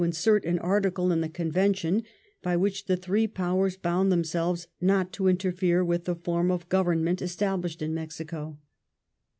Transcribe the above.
insert an article in the Convention by which the three Powers bound themselves not to interfere with the form of government established in Mexico.